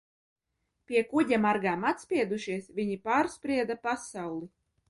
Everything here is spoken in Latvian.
Pie kuģa margām atspiedušies, viņi pārsprieda pasauli.